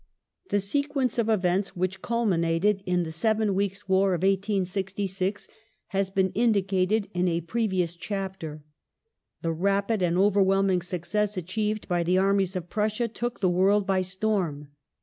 The sequence of events which culminated in the Seven Weeks' War of 1866 has been indicated in a previous chapter. The rapid and overwhelming success achieved by the armies of Prussia took the world by storm.